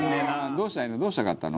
どうしたかったの？」